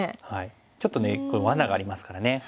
ちょっとねこれわながありますからね。